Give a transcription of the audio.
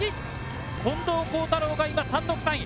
近藤幸太郎が単独３位。